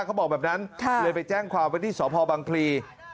เขาบอกแบบนั้นเลยไปแจ้งความว่าที่สพบังพลี